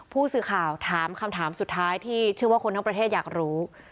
ผู้สื่อข่าวถามคำถามสุดท้ายที่เชื่อว่าคนทั้งประเทศอยากรู้